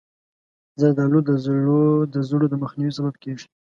زردالو د زړو د مخنیوي سبب کېږي.